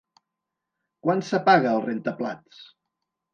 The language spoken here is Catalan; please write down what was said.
Quan s'apaga el rentaplats?